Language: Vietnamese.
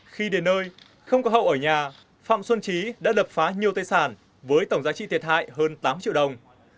khi đến nơi không có hậu ở nhà phạm xuân trí đã đập phá nhiều tài sản với tổng giá trị thiệt hại hơn tám triệu đồng